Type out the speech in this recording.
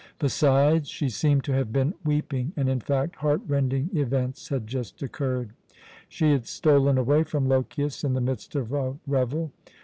Besides, she seemed to have been weeping and, in fact, heart rending events had just occurred. She had stolen away from Lochias in the midst of a revel.